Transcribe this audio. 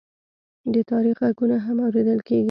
د تاریخ غږونه هم اورېدل کېږي.